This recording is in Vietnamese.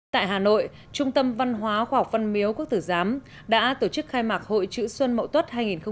tại hà nội trung tâm văn hóa khoa học phân miếu quốc tử giám đã tổ chức khai mạc hội chữ xuân mậu tuất hai nghìn một mươi chín